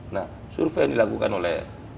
nah survei yang dilakukan oleh